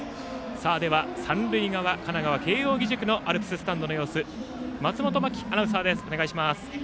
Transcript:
では三塁側の神奈川・慶応義塾のアルプススタンドの様子を松本真季アナウンサーです。